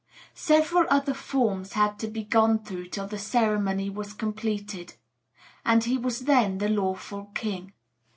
Several other forms had to be gone through till the ceremony was completed; and he was then the lawful king.